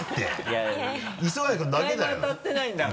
磯貝君だけだよ？